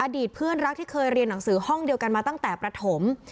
อดีตเพื่อนรักที่เคยเรียนหนังสือห้องเดียวกันมาตั้งแต่ประถม